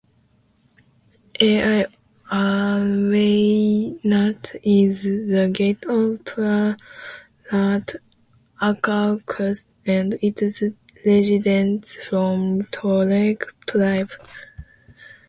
Al Awaynat is the gate of Tadrart Acacus and its residents from Toureg tribe.